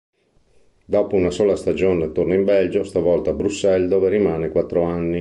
Dopo una sola stagione, torna in Belgio, stavolta al Brussels dove rimane quattro anni.